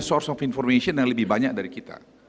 source of information yang lebih banyak dari kita